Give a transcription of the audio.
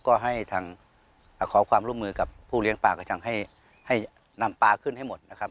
ก็ให้ทางขอความร่วมมือกับผู้เลี้ยงปลากระจังให้นำปลาขึ้นให้หมดนะครับ